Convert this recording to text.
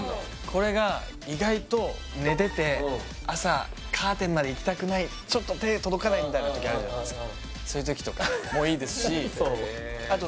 これが意外と寝てて朝カーテンまで行きたくないちょっと手届かないみたいな時あるじゃないですかそういう時とかもいいですしあと